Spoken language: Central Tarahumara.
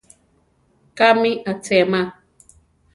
Kámi achema.